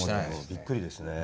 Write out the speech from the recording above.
びっくりですね